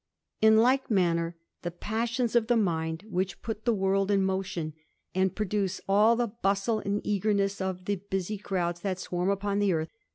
In like manner, the passions of the mind, wh.i.< put the world in motion, and produce all the bustle eagerness of the busy crowds that swarm upon the eartti.